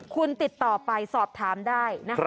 คุณติดต่อไปสอบถามได้นะคะ